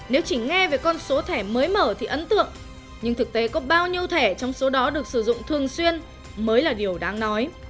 nếu chỉ nghe về con số thẻ mới mở thì ấn tượng nhưng thực tế có bao nhiêu thẻ trong số đó được sử dụng thường xuyên mới là điều đáng nói